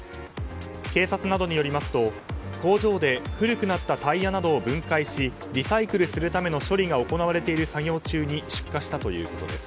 警察などによりますと工場で古くなったタイヤなどを分解し、リサイクルするための処理が行われている作業中に出火したということです。